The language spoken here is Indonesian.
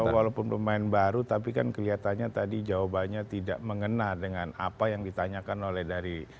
walaupun pemain baru tapi kan kelihatannya tadi jawabannya tidak mengena dengan apa yang ditanyakan oleh dari